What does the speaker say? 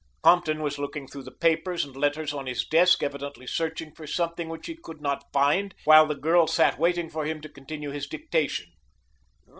Compton was looking through the papers and letters on his desk, evidently searching for something which he could not find, while the girl sat waiting for him to continue his dictation.